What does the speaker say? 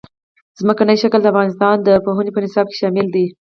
ځمکنی شکل د افغانستان د پوهنې په نصاب کې شامل دي.